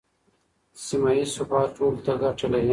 سیمه ییز ثبات ټولو ته ګټه لري.